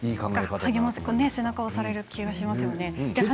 励まされて背中を押される気がしますよね。